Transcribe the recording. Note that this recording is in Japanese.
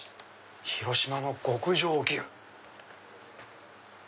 「広島の極上牛」。